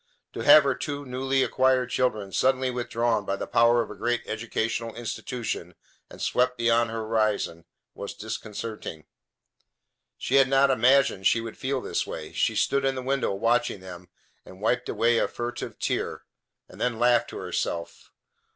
To have her two newly acquired children suddenly withdrawn by the power of a great educational institution and swept beyond her horizon was disconcerting. She had not imagined she would feel this way. She stood in the window watching them, and wiped away a furtive tear, and then laughed to herself.